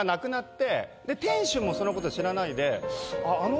店主もそのこと知らないで。